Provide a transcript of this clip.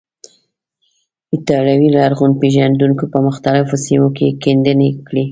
ایټالوي لرغون پیژندونکو په مختلفو سیمو کې کیندنې وکړې.